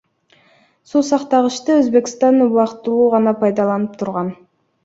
Суу сактагычты Өзбекстан убактылуу гана пайдаланып турган.